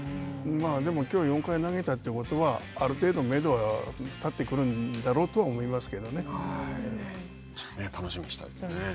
でも、きょう４回投げたということは、ある程度、めどは立ってくるんだ楽しみにしたいですね。